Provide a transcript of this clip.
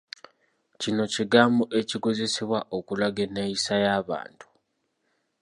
Kino kigambo ekikozesebwa okulaga enneeyisa y'abantu.